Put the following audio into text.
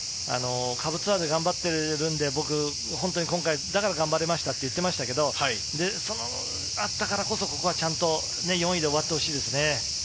下部ツアーで頑張っているんで、僕、本当に今回だから頑張れましたって言ってましたけど、それがあったからこそ、ここは４位でしっかり終わってほしいですね。